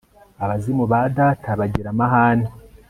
Abazimu ba data bagira amahane